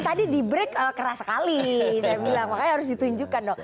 tadi di break keras sekali saya bilang makanya harus ditunjukkan dong